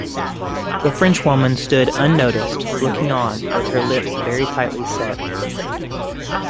The Frenchwoman stood unnoticed, looking on with her lips very tightly set.